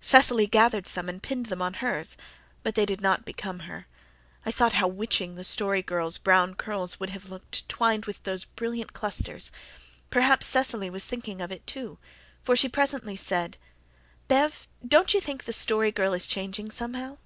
Cecily gathered some and pinned them on hers, but they did not become her. I thought how witching the Story Girl's brown curls would have looked twined with those brilliant clusters. Perhaps Cecily was thinking of it, too, for she presently said, "Bev, don't you think the Story Girl is changing somehow?"